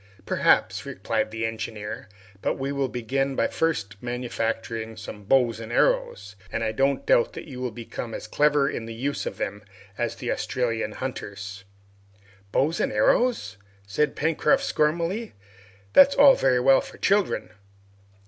"Perhaps," replied the engineer, "but we will begin by first manufacturing some bows and arrows, and I don't doubt that you will become as clever in the use of them as the Australian hunters." "Bows and arrows!" said Pencroft scornfully. "That's all very well for children!"